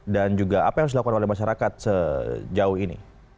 dan juga apa yang harus dilakukan oleh masyarakat sejauh ini